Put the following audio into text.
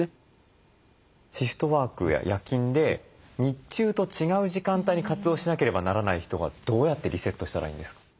シフトワークや夜勤で日中と違う時間帯に活動しなければならない人はどうやってリセットしたらいいんですか？